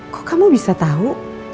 kok kamu bisa tahu